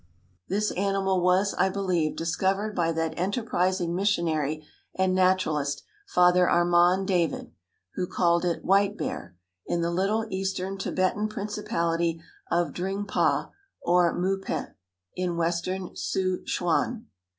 This animal was, I believe, discovered by that enterprising missionary and naturalist, Father Armand David (who called it "white bear"), in the little eastern Tibetan principality of Dringpa or Mupin, in western Ssu ch'uan.